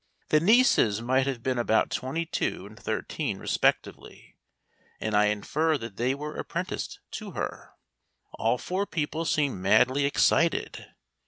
The nieces might have been about twenty two and thirteen respectively, and I infer that they were apprenticed to her. All four people seemed madly excited.